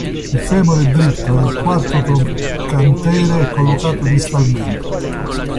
Il femore è dritto e il quarto trocantere è collocato distalmente.